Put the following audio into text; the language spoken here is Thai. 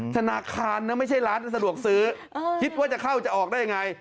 ธนาคารนะไม่ใช่ร้านสะดวกซื้อคิดว่าจะเข้าจะออกได้ยังไง